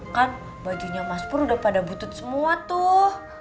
kan bajunya mas pur udah pada butut semua tuh